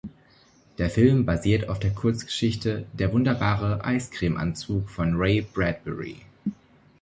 Der Film basiert auf der Kurzgeschichte „"Der wunderbare Eiskrem-Anzug"“ von Ray Bradbury.